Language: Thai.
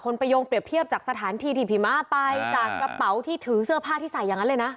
ไปโยงเปรียบเทียบจากสถานที่ที่ผีม้าไปจากกระเป๋าที่ถือเสื้อผ้าที่ใส่อย่างนั้นเลยนะ